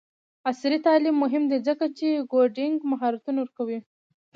عصري تعلیم مهم دی ځکه چې کوډینګ مهارتونه ورکوي.